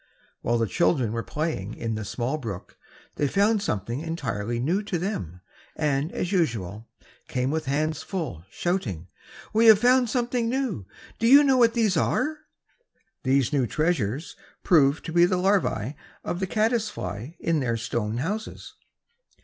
While the children were playing in a small brook, they found something entirely new to them, and as usual, came with hands full, shouting, "We have found something new! Do you know what these are?" These new treasures proved to be the larvae of the caddis fly in their stone houses.